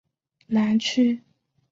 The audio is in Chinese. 南区是韩国釜山广域市的一个区。